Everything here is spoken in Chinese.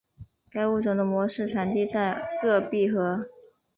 该物种的模式产地在鄂毕河。